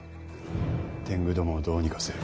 天狗どもをどうにかせよ。